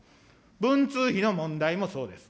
文通費の問題もそうです。